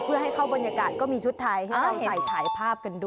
เพื่อให้เข้าบรรยากาศก็มีชุดไทยให้เราใส่ถ่ายภาพกันด้วย